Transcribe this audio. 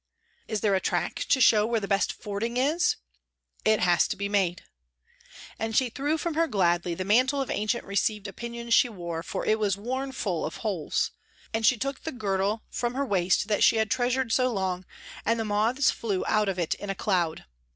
...' Is there a track to show where the best fording is ?'...'/< has to be made. ...' And she threw from her gladly the mantle of ancient received opinions she wore, for it was worn full of holes. And she took the girdle from her waist that she had treasured so long, and the moths flew out of it in a cloud.